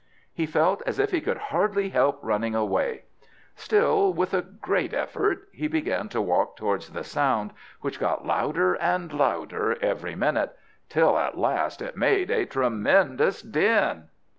He felt as if he could hardly help running away; still, with a great effort, he began to walk towards the sound, which got louder and louder every minute, till at last it made a tremendous din.